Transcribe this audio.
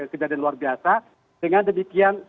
kejadian luar biasa dengan demikian